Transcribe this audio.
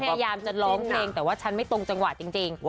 พยายามจะร้องเพลงแต่ว่าฉันไม่ตรงจังหวะจริง